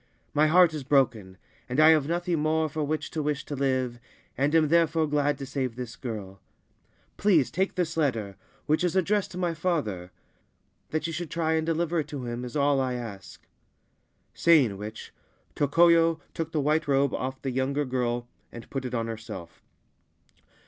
My heart is broken, and I have nothing more for which to wish to live, and am therefore glad to save this girl. Please take this letter, which is addressed to my father. That you should try and deliver it to him is all I ask.' Saying which, Tokoyo took the white robe off the younger girl and put it on herself.